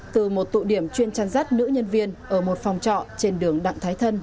từ một tụ điểm chuyên chăn rắt nữ nhân viên ở một phòng trọ trên đường đặng thái thân